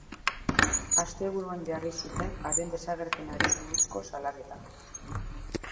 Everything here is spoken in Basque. Asteburuan jarri zuten haren desagerpenari buruzko salaketa.